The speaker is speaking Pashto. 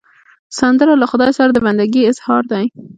سندره له خدای سره د بندګي اظهار دی